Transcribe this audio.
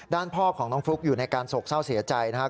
พ่อของน้องฟลุ๊กอยู่ในการโศกเศร้าเสียใจนะครับ